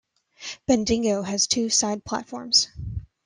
Bendigo has two side platforms.